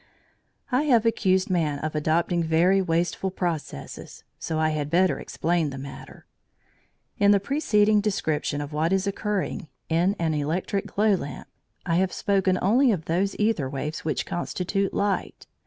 I have accused man of adopting very wasteful processes, so I had better explain the matter. In the preceding description of what is occurring in an electric glow lamp, I have spoken only of those æther waves which constitute light.